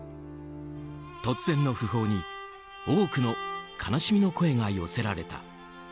突然の訃報に多くの悲しみの声が寄せられた。